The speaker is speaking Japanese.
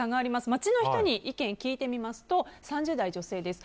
街の人に意見を聞いてみますと３０代女性です。